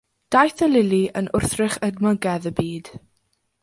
Daeth y lili yn wrthrych edmygedd y byd.